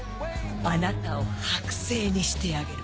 あなたを剥製にしてあげる。